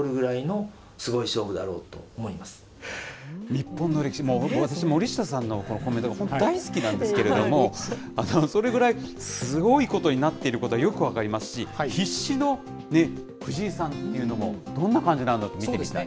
日本の歴史も、私、森下さんのコメントが本当に大好きなんですけれども、それぐらい、すごいことになっていることはよく分かりますし、必死の藤井さんというのも、どんな感じなのか見てみたい。